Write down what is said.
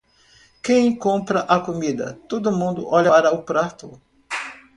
Quem compra a comida, todo mundo olha para o prato.